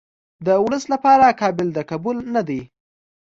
د ولس لپاره قابل د قبول نه دي.